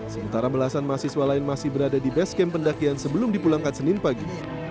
sementara belasan mahasiswa lain masih berada di base camp pendakian sebelum dipulangkan senin pagi